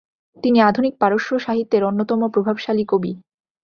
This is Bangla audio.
তিনি আধুনিক পারস্য সাহিত্যের অন্যতম প্রভাবশালী কবি।